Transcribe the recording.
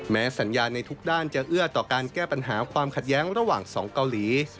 สัญญาในทุกด้านจะเอื้อต่อการแก้ปัญหาความขัดแย้งระหว่างสองเกาหลี